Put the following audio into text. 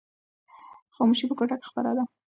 خاموشي په کوټه کې خپره ده.